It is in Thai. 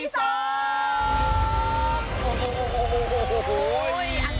โอ๊ยอันไหน